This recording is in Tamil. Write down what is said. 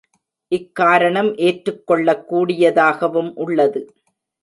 இக்காரணம் ஏற்றுக் கொள்ளக் கூடியதாகவும் உள்ளது.